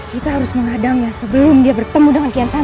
kita harus mengadangnya sebelum dia bertemu dengan kita